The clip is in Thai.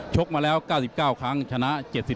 กมาแล้ว๙๙ครั้งชนะ๗๕